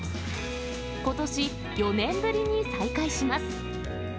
ことし、４年ぶりに再開します。